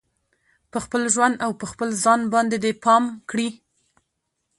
په خپل ژوند او په خپل ځان باندې دې پام کړي